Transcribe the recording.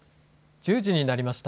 １０時になりました。